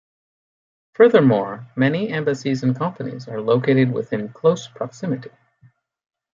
Furthermore, many embassies and companies are located within close proximity.